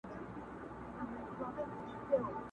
نه محتاج د تاج او ګنج نه د سریر یم.!